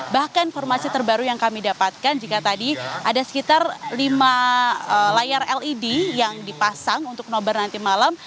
bahkan informasi terbaru yang kami dapatkan jika tadi ada sekitar lima layar led yang dipasang untuk nobar nanti malam